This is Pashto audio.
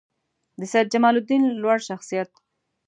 د سیدجمالدین لوړ شخصیت